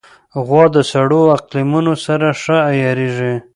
غوا د سړو اقلیمونو سره ښه عیارېږي.